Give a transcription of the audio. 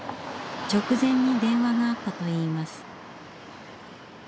直前に電話があったといいます。